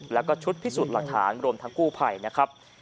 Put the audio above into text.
แล้วก็ชุดพิสูจน์หลักฐานรวมทั้งกู้ภัยนะครับ